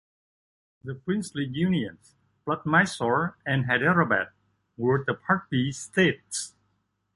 The princely unions, plus Mysore and Hyderabad, were the Part B states.